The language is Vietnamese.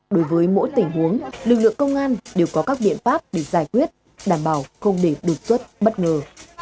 đối với mỗi tình huống lực lượng công an đều có các biện pháp để giải quyết đảm bảo không để đột xuất bất ngờ